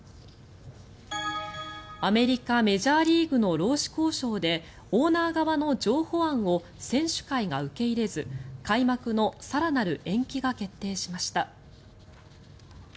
アメリカ・メジャーリーグの労使交渉でオーナー側の譲歩案を選手会が受け入れず開幕の更なる延期が決定しました。